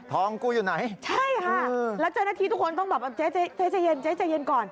กูอยู่ไหนใช่ค่ะแล้วเจ้าหน้าที่ทุกคนต้องแบบเจ๊เจ๊ใจเย็นเจ๊ใจเย็นก่อน